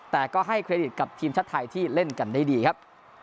แต่ก็ให้เครดิตกับทีมชาติไทยที่เล่นกันได้ดีครับ